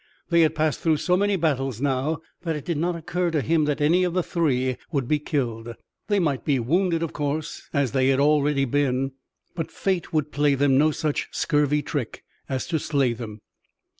They had passed through so many battles now that it did not occur to him that any of the three would be killed. They might be wounded, of course, as they had been already, but fate would play them no such scurvy trick as to slay them.